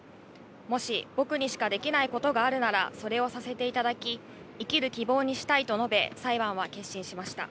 もし、僕にしかできないことがあるなら、それをさせていただき、生きる希望にしたいと述べ、裁判は結審しました。